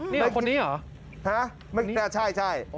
นี่หรือคนนี้หรือฮะใช่